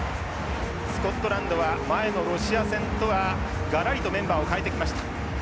スコットランドは前のロシア戦とはがらりとメンバーを変えてきました。